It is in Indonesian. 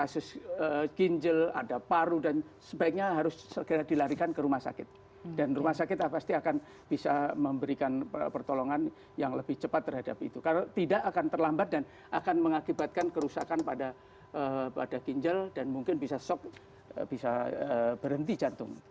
kasus ginjal ada paru dan sebaiknya harus segera dilarikan ke rumah sakit dan rumah sakit akan bisa memberikan pertolongan yang lebih cepat terhadap itu karena tidak akan terlambat dan akan mengakibatkan kerusakan pada ginjal dan mungkin bisa berhenti jantung